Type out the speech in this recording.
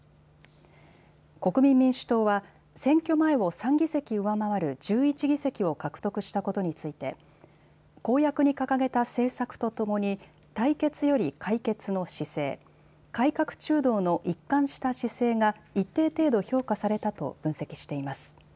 国民民主党は選挙前を３議席上回る１１議席を獲得したことについて公約に掲げた政策とともに対決より解決の姿勢、改革中道の一貫した姿勢が一定程度、評価されたと分析しています。